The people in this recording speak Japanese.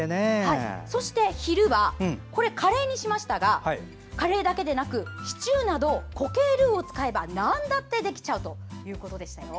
そして昼は、カレーにしましたがカレーだけでなくシチューなど、固形ルーを使えばなんだってできちゃうということでした。